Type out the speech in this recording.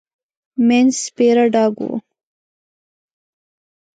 مينځ سپيره ډاګ و.